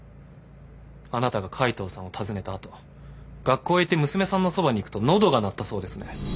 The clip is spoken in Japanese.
あなたが海藤さんを訪ねた後学校へ行って娘さんのそばに行くと喉が鳴ったそうですね。